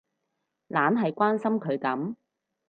懶係關心佢噉